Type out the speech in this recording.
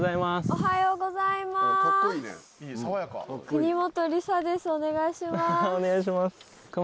お願いします。